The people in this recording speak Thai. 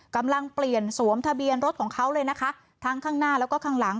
กำลังเปลี่ยนสวมทะเบียนรถของเขาเลยนะคะทั้งข้างหน้าแล้วก็ข้างหลัง